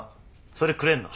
それくれんの？